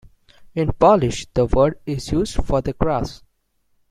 In Polish, the word is used for the grass.